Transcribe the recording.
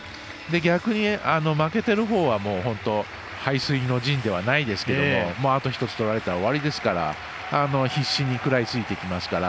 逆に負けてるほうは背水の陣ではないですけれどもあと１つとられたら終わりですから必死に食らいついていきますから。